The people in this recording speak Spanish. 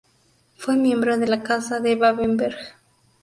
Fue miembro de la Casa de Babenberg.